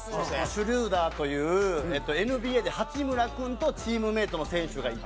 シュルーダーというＮＢＡで八村君とチームメイトの選手がいて。